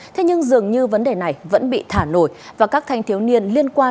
thế nhưng dường như vấn đề này vẫn bị thả nổi và các thanh thiếu niên liên quan